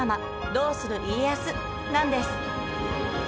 「どうする家康」なんです！